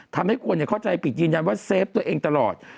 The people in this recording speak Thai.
ทำให้คนเข้าใจผิดยืนยันว่าเซฟตัวเองตลอด